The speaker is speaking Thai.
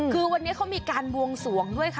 คือวันนี้เขามีการบวงสวงด้วยค่ะ